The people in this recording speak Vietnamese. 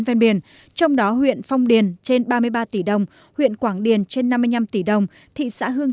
ven biển trong đó huyện phong điền trên ba mươi ba tỷ đồng huyện quảng điền trên năm mươi năm tỷ đồng thị xã hương